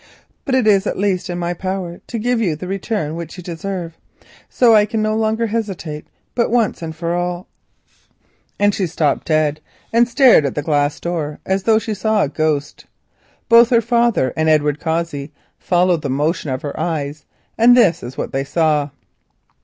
But it is at least in my power to give you the return which you deserve. So I can no longer hesitate, but once and for all——" She stopped dead, and stared at the glass door as though she saw a ghost. Both her father and Edward Cossey followed the motion of her eyes, and this was what they saw.